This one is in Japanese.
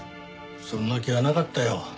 そんな気はなかったよ。